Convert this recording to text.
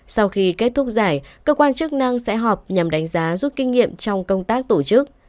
sau khi kết thúc giải cơ quan chức năng sẽ họp nhằm đánh giá rút kinh nghiệm trong công tác tổ chức